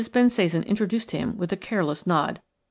Bensasan introduced him with a careless nod.